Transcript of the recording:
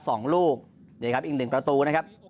สองลูกนี่ครับอีกหนึ่งประตูนะครับ